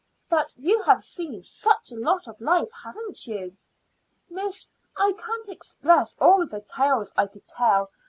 But you have seen such a lot of life, haven't you?" "Miss, I can't express all the tales I could tell.